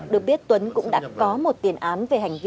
được biết tuấn cũng đã có một tiền án về hành vi